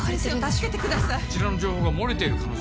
こちらの情報が漏れてる可能性もあります。